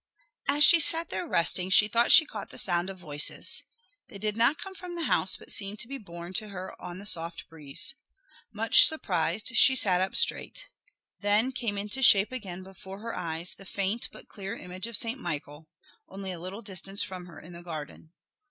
As she sat there resting she thought she caught the sound of voices. They did not come from the house, but seemed to be borne to her on the soft breeze. Much surprised she sat up straight. Then came into shape again before her eyes the faint but clear image of Saint Michael, only a little distance from her in the garden.